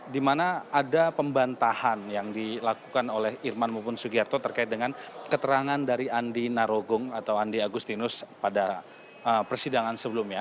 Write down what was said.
di mana ada pembantahan yang dilakukan oleh irman maupun sugiharto terkait dengan keterangan dari andi narogong atau andi agustinus pada persidangan sebelumnya